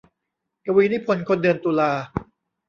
กวีนิพนธ์คนเดือนตุลา